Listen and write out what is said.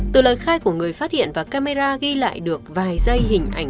từ lời khai của người phát hiện và camera ghi lại được vài giây hình ảnh